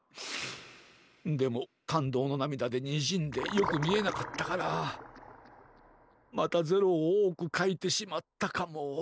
でもかんどうのなみだでにじんでよくみえなかったからまたゼロをおおくかいてしまったかも。